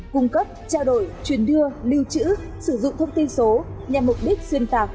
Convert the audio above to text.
cung cấp trao đổi truyền đưa lưu trữ sử dụng thông tin số nhằm mục đích xuyên tạc